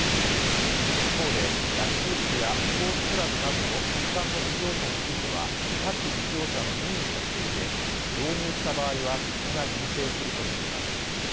一方で学習塾やスポーツクラブなどの民間の事業者については各事業者の任意としていて、導入した場合は国が認定するとしています。